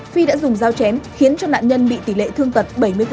phi đã dùng dao chém khiến cho nạn nhân bị tỷ lệ thương tật bảy mươi